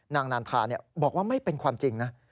นานทาบอกว่าไม่เป็นความจริงนะ